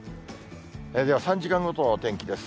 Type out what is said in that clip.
では、３時間ごとのお天気です。